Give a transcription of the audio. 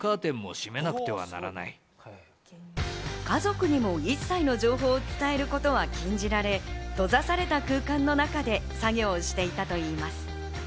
家族にも一切の情報を伝えることは禁じられ、閉ざされた空間の中で作業をしていたといいます。